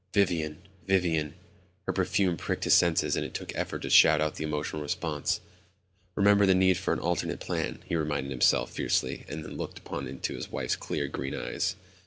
Vivian, Vivian. Her perfume pricked his senses and it took effort to shut out the emotional response. "Remember the need for an alternate plan," he reminded himself fiercely and then looked up into his wife's clear green eyes.